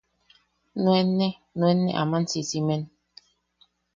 Nuenne nuen aman sisimen.